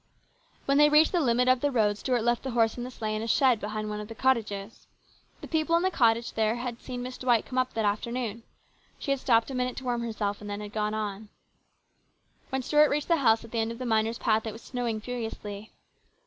When they reached the limit of the road Stuart left the horse and sleigh in a shed behind one of the cottages. The people in the cottage there had seen Miss Dvvight come up that afternoon. She had stopped a minute to warm herself and then gone on. When Stuart reached the house at the end of the miners' path it was snowing furiously.